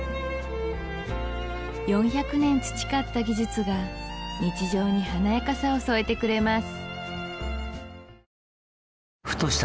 ４００年培った技術が日常に華やかさをそえてくれます